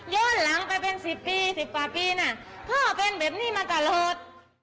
ย้อนหลังไปเป็นสิบปีสิบป่าปีน่ะพ่อเป็นแบบนี้มากระโลด